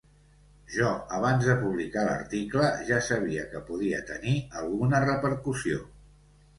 Jo abans de publicar l’article ja sabia que podia tenir alguna repercussió.